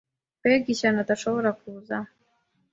Mbega ishyano adashobora kuza!